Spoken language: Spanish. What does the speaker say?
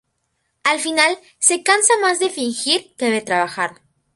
Al final se cansa más de fingir que de trabajar.